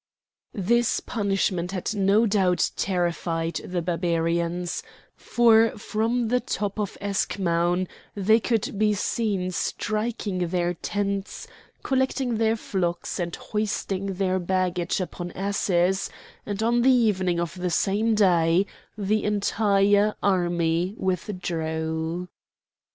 This punishment had no doubt terrified the Barbarians, for from the top of Eschmoun they could be seen striking their tents, collecting their flocks, and hoisting their baggage upon asses, and on the evening of the same day the entire army withdrew.